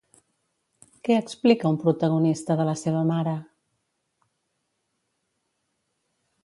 Què explica un protagonista de la seva mare?